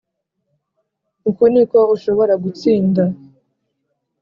Uku ni uko ushobora gutsinda